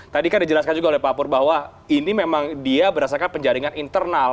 tadi kan dijelaskan juga oleh pak pur bahwa ini memang dia berdasarkan penjaringan internal